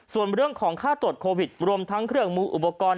ส่วนเรื่องของค่าตรวจโควิดรวมทั้งเครื่องมืออุปกรณ์